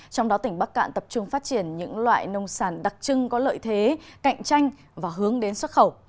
trong đó tỉnh bắc cạn tập trung phát triển những loại nông sản đặc trưng có lợi thế cạnh tranh và hướng đến xuất khẩu